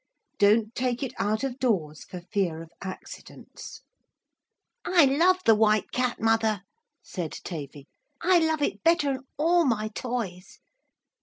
Don't take it out of doors for fear of accidents.' 'I love the White Cat, mother,' said Tavy. 'I love it better'n all my toys.'